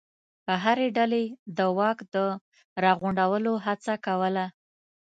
هرې ډلې د واک د راغونډولو هڅه کوله.